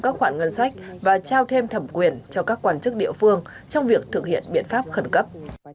các khoản ngân sách và trao thêm thẩm quyền cho các quan chức địa phương trong việc thực hiện biện pháp khẩn cấp